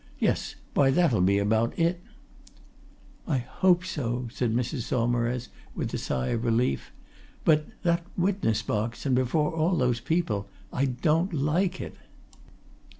Yes, why that'll be about it!" "I hope so!" said Mrs. Saumarez, with a sigh of relief. "But that witness box, and before all these people I don't like it."